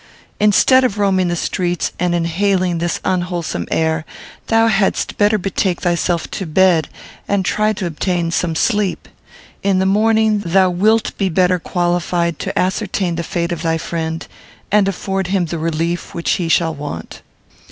Instead of roaming the streets and inhaling this unwholesome air, thou hadst better betake thyself to bed and try to obtain some sleep. In the morning, thou wilt be better qualified to ascertain the fate of thy friend, and afford him the relief which he shall want."